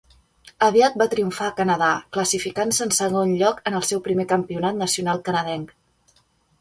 Aviat va triomfar a Canadà, classificant-se en segon lloc en el seu primer campionat nacional canadenc.